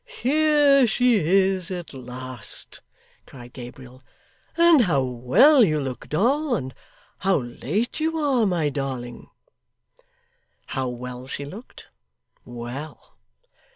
'Here she is at last!' cried Gabriel. 'And how well you look, Doll, and how late you are, my darling!' How well she looked? Well?